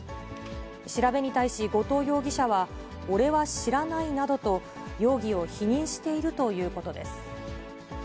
調べに対し、後藤容疑者は俺は知らないなどと、容疑を否認しているということです。